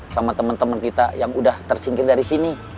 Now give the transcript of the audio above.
sama temen temen kita yang udah tersingkir dari sini